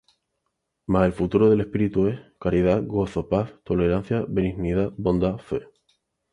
Mas el fruto del Espíritu es: caridad, gozo, paz, tolerancia, benignidad, bondad, fe,